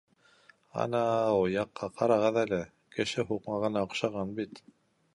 — Ана-ау яҡҡа ҡарағыҙ әле: кеше һуҡмағына оҡшаған бит.